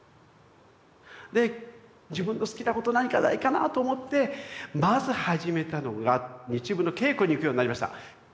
で自分の好きなこと何かないかなぁと思ってまず始めたのが日舞の稽古に行くようになりました。